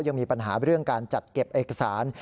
ยังมีปัญหาเรื่องการจัดเก็บเอกสาร